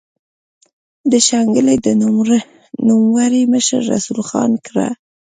د شانګلې د نوموړي مشر رسول خان کره